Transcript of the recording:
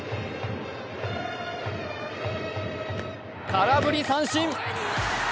空振り三振。